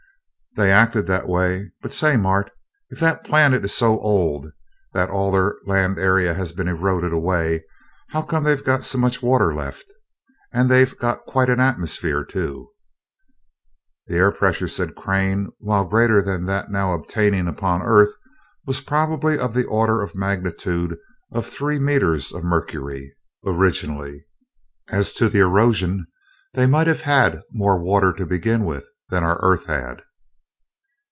"They acted that way. But say, Mart, if that planet is so old that all their land area has been eroded away, how come they've got so much water left? And they've got quite an atmosphere, too." "The air pressure," said Crane, "while greater than that now obtaining upon Earth, was probably of the order of magnitude of three meters of mercury, originally. As to the erosion, they might have had more water to begin with than our Earth had."